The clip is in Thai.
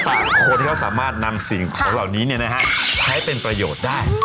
พี่จะฝากคนที่เขาสามารถนำสิ่งของเรานี้เนี่ยนะฮะใช้เป็นประโยชน์ได้